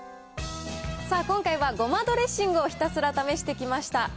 今回はごまドレッシングをひたすら試してきました。